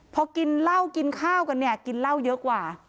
พอกินเหล้ากินข้าวกันเนี่ยกินเหล้าเยอะกว่า